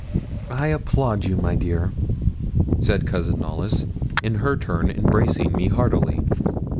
'I applaud you, my dear,' said Cousin Knollys, in her turn embracing me heartily.